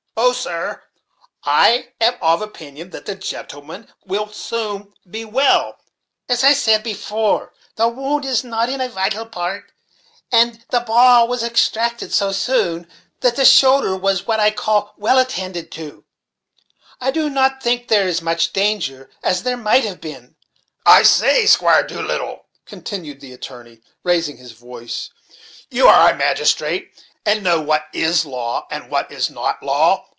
"Oh, sir, I am of opinion that the gentleman will soon be well, as I said before; the wound isn't in a vital part; and as the ball was extracted so soon, and the shoulder was what I call well attended to, I do not think there is as much danger as there might have been." "I say, Squire Doolittle," continued the attorney, raising his voice, "you are a magistrate, and know what is law and what is not law.